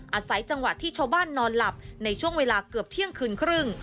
อาศัยจังหวะที่ชาวบ้านนอนหลับในช่วงเวลาเกือบเที่ยงคืนครึ่ง